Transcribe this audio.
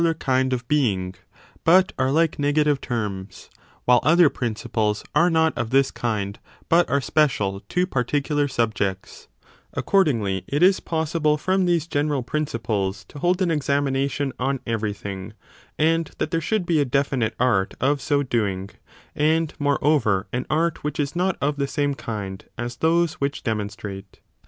CHAPTER XI i 7 2 a kind of being, but are like negative terms, while other principles are not of this kind but are special to particular subjects ; accordingly it is possible from these general principles to hold an examination on everything, and that there should be a definite art of so doing, and, moreover, an 172 art which is not of the same kind as those which demon strate.